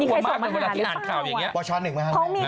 มีใครส่งมาถามอะไรคุณแม่ได้ป่าว